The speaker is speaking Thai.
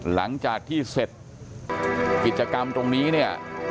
หลังจากที่เสร็จกิจกรรมตรงนี้เนี่ย